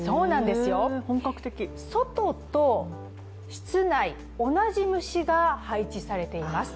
外と室内、同じ虫が配置されています。